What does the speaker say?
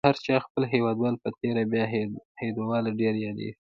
د هر چا خپل هیوادوال په تېره بیا هیوادواله ډېره یادیږي.